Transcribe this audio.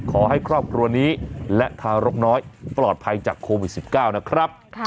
ขอให้ครอบครัวนี้และทารกน้อยปลอดภัยจากโควิด๑๙นะครับ